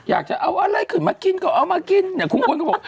อยากจะเอาอะไรขึ้นมากินก็เอามากินเนี่ยคุณอ้วนก็บอก